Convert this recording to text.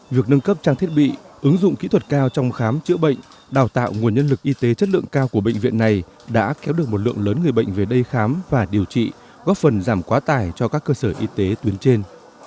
việc nâng cấp trang thiết bị ứng dụng kỹ thuật cao trong khám chữa bệnh đào tạo nguồn nhân lực y tế chất lượng cao của bệnh viện này đã kéo được một lượng lớn người bệnh về đây khám và điều trị góp phần giảm quá tải cho các cơ sở y tế tuyến trên